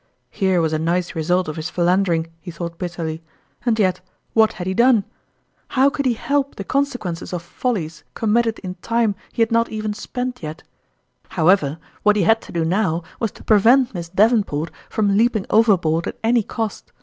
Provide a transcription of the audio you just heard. Here was a nice result of his philandering, he thought bitterly. And yet, what had he done ? foil anb (Eormterfoii. 127 How could lie help the consequences of follies committed in time he had not even spent yet ? However, what he had to do now was to pre vent Miss Davenport from leaping overboard at any cost.